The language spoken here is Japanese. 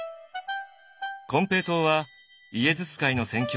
金平糖はイエズス会の宣教師